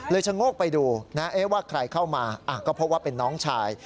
เลยจมูกไปดูว่าใครเข้ามาก็เพราะว่าเป็นน้องชาย